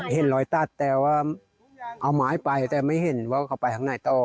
เห็นรอยตัดแต่ว่าเอาไม้ไปแต่ไม่เห็นว่าเขาไปข้างในต่อ